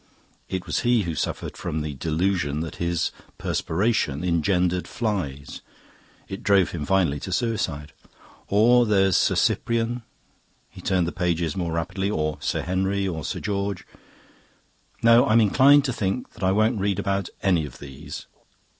It was he who suffered from the delusion that his perspiration engendered flies; it drove him finally to suicide. Or there's Sir Cyprian." He turned the pages more rapidly. "Or Sir Henry. Or Sir George...No, I'm inclined to think I won't read about any of these."